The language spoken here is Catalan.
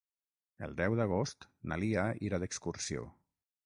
El deu d'agost na Lia irà d'excursió.